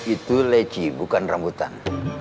itu leci bukan rambutan